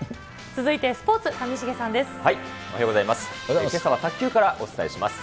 続いてスポーツ、上重さんです。